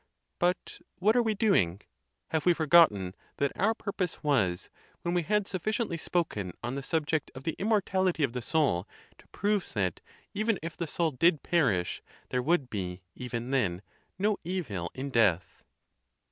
But what are we doing? Have we forgotten that our purpose was, when we had sufficiently spoken on the subject of the immortality of the soul, to prove that, even if the soul did perish, there would be, even then, no evil in death